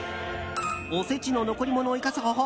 おせちの残り物を生かす方法。